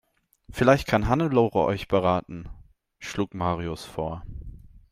"Vielleicht kann Hannelore euch beraten", schlug Marius vor.